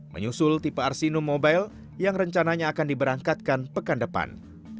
menyusul tipe arsenum mobile yang rencananya akan diberangkatkan pekandang